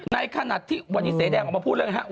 ในขณะที่วันนี้เสียแดงออกมาพูดเรื่องนี้ฮะ